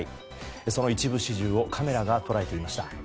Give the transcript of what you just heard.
その一部始終をカメラが捉えていました。